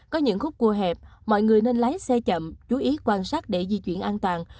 có những khúc cua hẹp mọi người nên lái xe chậm chú ý quan sát để di chuyển an toàn